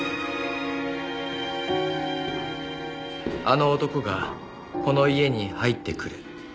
「あの男がこの家に入ってくる」